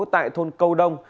tại thôn câu đông